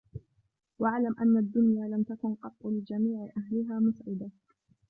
وَاعْلَمْ أَنَّ الدُّنْيَا لَمْ تَكُنْ قَطُّ لِجَمِيعِ أَهْلِهَا مُسْعِدَةً